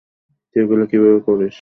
তুই এগুলো কিভাবে করিস?